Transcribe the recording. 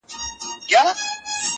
• هغه ليوني ټوله زار مات کړی دی؛